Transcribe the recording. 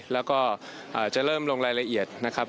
แล้วก็จะเริ่มลงรายละเอียดนะครับ